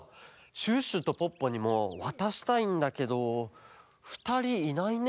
シュッシュとポッポにもわたしたいんだけどふたりいないね。